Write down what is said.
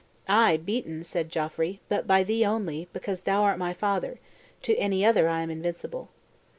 "Ay, beaten," said Geoffrey, "but by thee only, because thou art my father; to any other I am invincible."